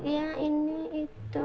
ya ini itu